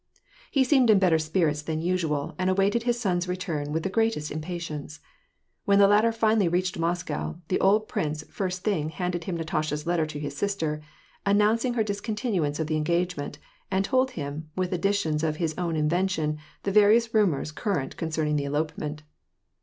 He seemed in better spirits than usual, and awaited his son's return with the greatest impatience. When the latter finally reached Moscow, the old prince first thing handed him Natasha's letter to his sister, announcing her discontinuance of the engagement, and told him, with additions of his own in vention, the various rumors current concerning the elopement.